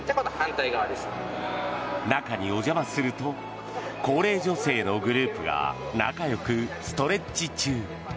中にお邪魔すると高齢女性のグループが仲よくストレッチ中。